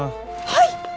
はい！